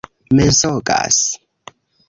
mensogas